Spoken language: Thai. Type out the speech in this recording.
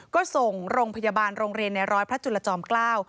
ก็ส่งโรงพยาบาลโรงเรียนในร้อยพระจุลจอมเกล้า